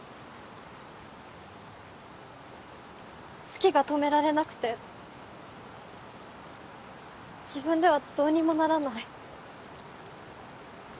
好きが止められなくて自分ではどうにもならない。